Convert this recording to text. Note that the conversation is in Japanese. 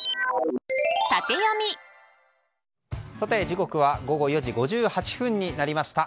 時刻は午後４時５８分になりました。